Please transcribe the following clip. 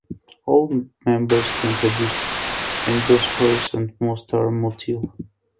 All members can produce endospores and most are motile.